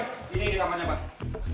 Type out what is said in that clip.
ini ini ini tamanya pak